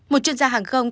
một chuyên gia hàng không